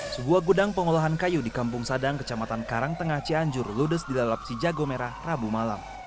sebuah gudang pengolahan kayu di kampung sadang kecamatan karangtengah cianjur ludes dilalap si jago merah rabu malam